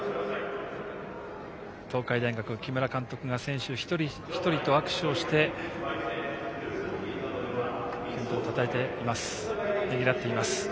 東海大学、木村監督が選手一人一人と握手をして、たたえています。